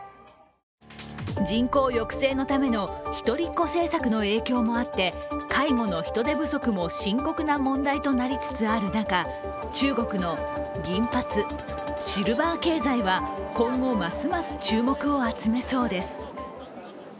人口抑制のための一人っ子政策の影響もあって介護の人手不足も深刻な問題となりつつある中、中国の銀髪＝シルバー経済は今後ますます注目を集めそうです。